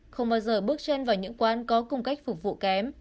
không bao giờ bước chân vào những quán có cung cách phục vụ kém